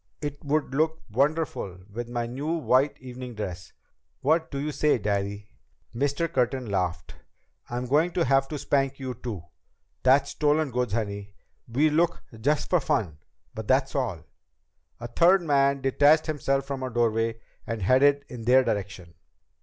It would look wonderful with my new white evening dress! What do you say, Daddy?" Mr. Curtin laughed. "Am I going to have to spank you too? That's stolen goods, honey. We look just for fun. But that's all." A third man detached himself from a doorway and headed in their direction.